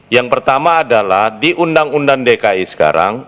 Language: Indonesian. yang pertama adalah di undang undang dki sekarang